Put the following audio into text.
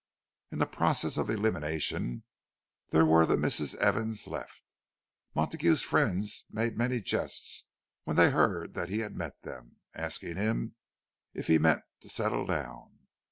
In the process of elimination, there were the Misses Evans left. Montague's friends made many jests when they heard that he had met them—asking him if he meant to settle down.